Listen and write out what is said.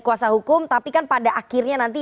kuasa hukum tapi kan pada akhirnya nanti